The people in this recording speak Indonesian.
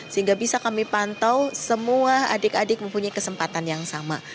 sehingga bisa kami pantau semua adik adik mempunyai kesempatan yang sama